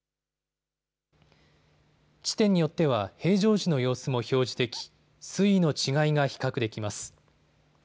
地点によっては平常時の様子も表示でき水位の違いが比較できます。